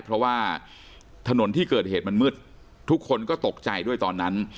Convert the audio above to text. เพราะว่าถนนที่เกิดเหตุมันมืดทุกคนก็ตกใจด้วยตอนนั้น